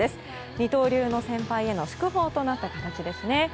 二刀流の先輩への祝砲となった形ですね。